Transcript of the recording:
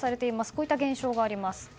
こういった現象があります。